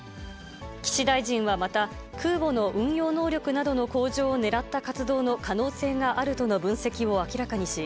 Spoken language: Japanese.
岸大臣はまた、空母の運用能力などの向上をねらった活動の可能性があるとの分析を明らかにし、